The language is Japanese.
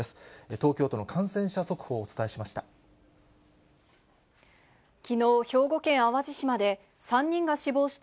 東京都の感染者速報をお伝えしました。